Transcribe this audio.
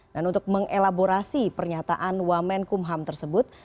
dan untuk mengelaborasi pernyataan wamenkumham tersebut